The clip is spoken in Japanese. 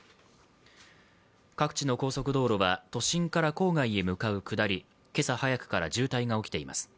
各地の高速道路は都心から郊外へ向かう下り、今朝早くから渋滞が起きています。